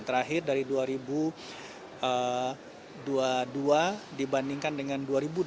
terakhir dari dua ribu dua puluh dua dibandingkan dengan dua ribu dua puluh